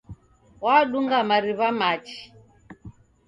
Wadunga mariw'a machi.